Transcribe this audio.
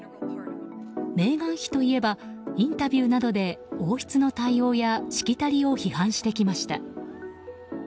メーガン妃といえばインタビューなどで王室の対応やしきたりを批判してきました。